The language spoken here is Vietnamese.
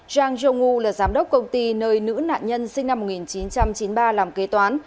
zhang zhongwu là giám đốc công ty nơi nữ nạn nhân sinh năm một nghìn chín trăm chín mươi ba làm kế toán